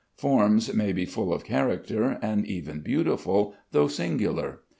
Forms may be full of character, and even beautiful, though singular.